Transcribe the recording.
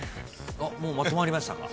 もうまとまりましたか？